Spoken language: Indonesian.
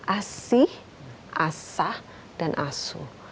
asih asah dan asuh